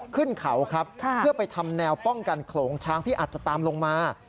ขึ้นเขาครับเพื่อไปทำแนวป้องกันโขลงช้างที่อาจจะตามลงมา